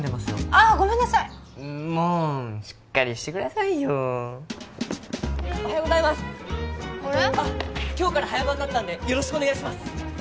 あっ今日から早番になったんでよろしくお願いします！